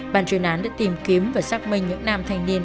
bàn truyền án đã tìm kiếm và xác minh những nàm thanh niên